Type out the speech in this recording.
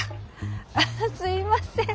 アハすいません。